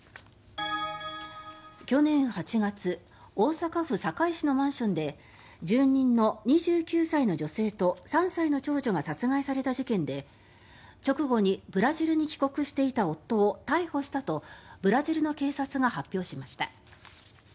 去年８月大阪府堺市のマンションで住人の２９歳の女性と３歳の長女が殺害された事件で直後にブラジルに帰国していた夫を逮捕したとブラジルの警察が発表しました。